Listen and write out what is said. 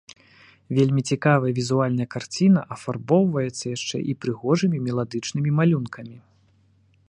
Вельмі цікавая візуальная карціна афарбоўваецца яшчэ і прыгожымі меладычнымі малюнкамі.